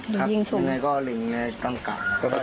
ครับยังไงก็เร็งไงต้องกะ